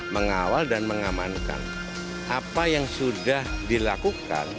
mengawal dan mengamankan apa yang sudah dilakukan